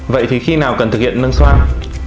vậy thì khi nào cần thực hiện nâng xoang